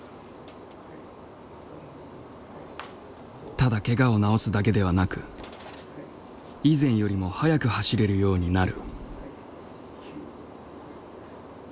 ただけがを治すだけではなく以前よりも速く走れるようになる。